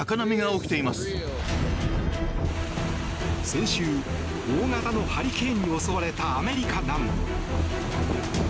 先週、大型のハリケーンに襲われたアメリカ南部。